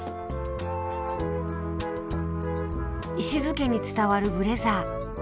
石津家に伝わるブレザー。